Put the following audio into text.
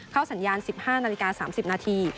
สัญญาณ๑๕นาฬิกา๓๐นาที